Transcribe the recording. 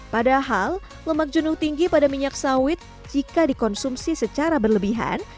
padahal lemak jenuh tinggi pada minyak sawit jika dikonsumsi secara berlebihan